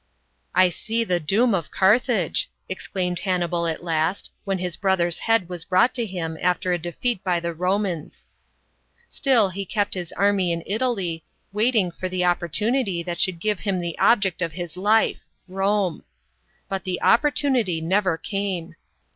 "I see the doom of Carthage," exclaimed Han nibal at last, when his brother's head was brought to him after a defeat by the Romans. Still he kept his army in Italy, waiting for the opportunity that should give him the object of his life Rome. But the opportunity never came.